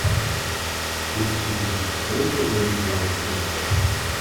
Willst du die rote oder die blaue Pille?